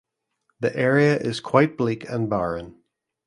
The area is quite bleak and barren.